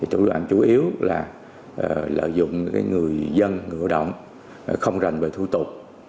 thủ đoạn chủ yếu là lợi dụng người dân ngựa động không rành về thủ tục